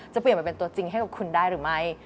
จะเปลี่ยนมาเป็นตัวจริงให้กับคุณได้หรือไม่